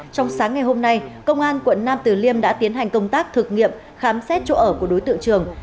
trong sáng ngày hôm nay công an quận nam tử liêm đã tiến hành công tác thực nghiệm khám xét chỗ ở của đối tượng trường